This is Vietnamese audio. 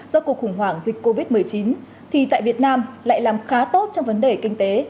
do cuộc khủng hoảng dịch covid một mươi chín thì tại việt nam lại làm khá tốt trong vấn đề kinh tế